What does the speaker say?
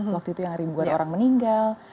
waktu itu yang ribuan orang meninggal